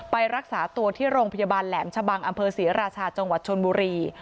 ไปรักษาตัวที่โรงพยาบาลแหลมชะบังอำเภอศรีราชาจังหวัดชนบุรี